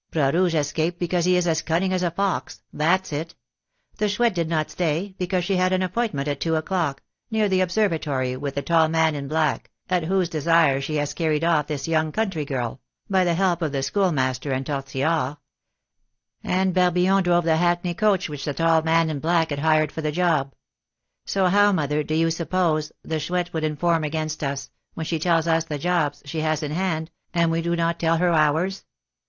Bras Rouge escaped because he is as cunning as a fox that's it; the Chouette did not stay, because she had an appointment at two o'clock, near the Observatory, with the tall man in black, at whose desire she has carried off this young country girl, by the help of the Schoolmaster and Tortillard; and Barbillon drove the hackney coach which the tall man in black had hired for the job. So how, mother, do you suppose the Chouette would inform against us, when she tells us the 'jobs' she has in hand, and we do not tell her ours?